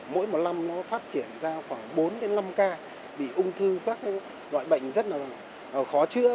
mỗi một năm nó phát triển ra khoảng bốn năm ca bị ung thư các loại bệnh rất là khó chữa